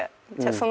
その。